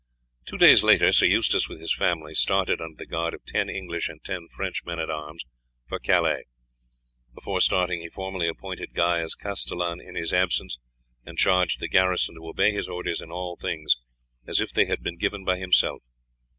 Two days later Sir Eustace with his family started, under the guard of ten English and ten French men at arms, for Calais. Before starting he formally appointed Guy as castellan in his absence, and charged the garrison to obey his orders in all things, as if they had been given by himself.